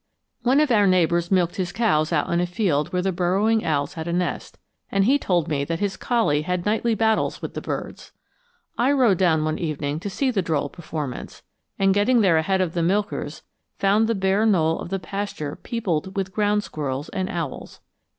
One of our neighbors milked his cows out in a field where the burrowing owls had a nest, and he told me that his collie had nightly battles with the birds. I rode down one evening to see the droll performance, and getting there ahead of the milkers found the bare knoll of the pasture peopled with ground squirrels and owls.